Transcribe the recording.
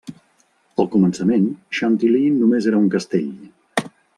Al començament, Chantilly només era un castell.